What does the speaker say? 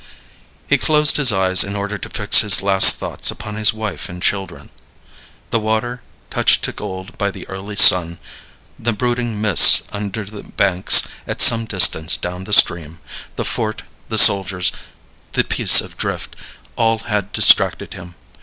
He closed his eyes in order to fix his last thoughts upon his wife and children. The water, touched to gold by the early sun, the brooding mists under the banks at some distance down the stream, the fort, the soldiers, the piece of drift all had distracted him.